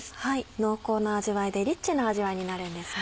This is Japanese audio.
濃厚な味わいでリッチな味わいになるんですね。